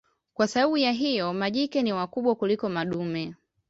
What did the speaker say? Kwa sababu ya hiyo majike ni wakubwa kuliko madume.